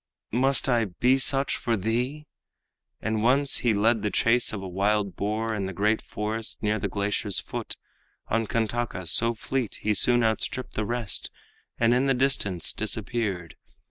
must I be such for thee?' And once he led the chase of a wild boar In the great forest near the glacier's foot; On Kantaka so fleet he soon outstripped The rest, and in the distance disappeared.